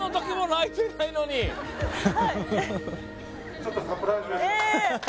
ちょっとサプライズえ！